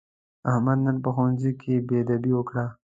احمد نن په ښوونځي کې بېادبي وکړه.